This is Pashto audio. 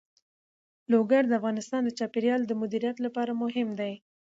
لوگر د افغانستان د چاپیریال د مدیریت لپاره مهم دي.